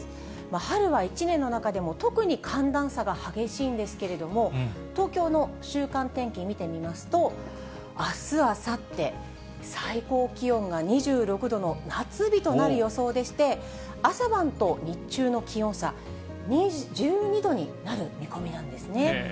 春は、一年の中でも特に寒暖差が激しいんですけれども、東京の週間天気、見てみますと、あす、あさって、最高気温が２６度の夏日となる予想でして、朝晩と日中の気温差、１２度になる見込みなんですね。